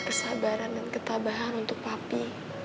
kesabaran dan ketabahan untuk papi